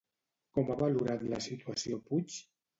Com ha valorat la situació Puig?